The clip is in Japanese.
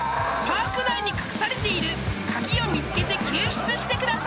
［パーク内に隠されている鍵を見つけて救出してください］